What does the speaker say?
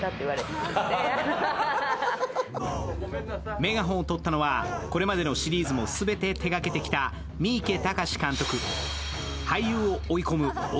メガホンをとったのは、これまでのシリーズもすべて手がけてきた三池崇史監督。